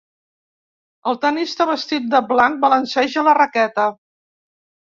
El tenista vestit de blanc balanceja la raqueta.